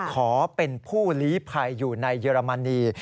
ขอเป็นผู้ลีภัยอยู่ในเยอรมนี